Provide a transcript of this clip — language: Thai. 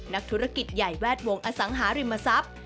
นักธุรกิจใหญ่แวดวงอสังหาริมทรัพย์